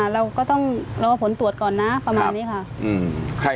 เราก็ต้องรอผลตรวจก่อนนะประมาณนี้ค่ะ